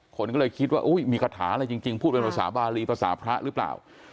คนก็เลยคิดว่ามีคาถาอะไรจริงพูดเป็นภาษาบารีภาษาพระหรือเปล่า